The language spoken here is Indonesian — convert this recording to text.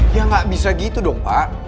ya nggak bisa gitu dong pak